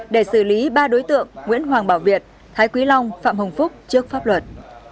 để xử lý ba đối tượng nguyễn hoàng bảo việt thái quý long phạm hồng phúc trước pháp luật